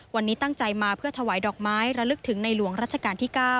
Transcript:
วันนี้ตั้งใจมาเพื่อถวายดอกไม้ระลึกถึงในหลวงรัชกาลที่๙